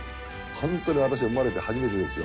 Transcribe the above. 本当に私生まれて初めてですよ。